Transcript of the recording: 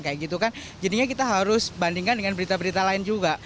kayak gitu kan jadinya kita harus bandingkan dengan berita berita lain juga